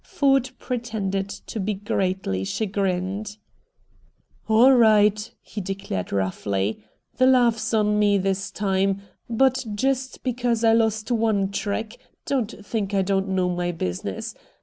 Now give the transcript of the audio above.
Ford pretended to be greatly chagrined. "All right," he declared roughly. "The laugh's on me this time, but just because I lost one trick, don't think I don't know my business.